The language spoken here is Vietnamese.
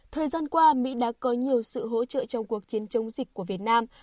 thời gian qua mỹ đã có nhiều sự hỗ trợ trong cuộc chiến chống dịch của việt nam